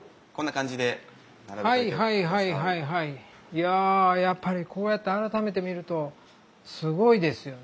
いややっぱりこうやって改めて見るとすごいですよね。